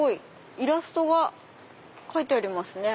イラストが描いてありますね。